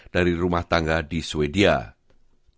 dari rumah tangga di sweden